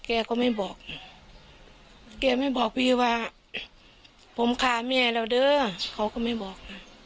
แกก็ไม่บอกแกไม่บอกพี่ว่าผมฆ่าแม่แล้วเด้อเขาก็ไม่บอก